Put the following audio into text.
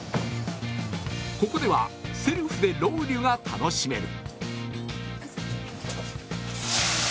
ここではセルフでロウリュが楽しめる。